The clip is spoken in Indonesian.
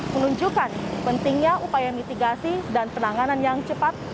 menunjukkan pentingnya upaya mitigasi dan penanganan yang cepat